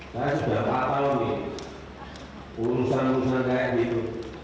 saya sudah patah lagi urusan urusan kayak gitu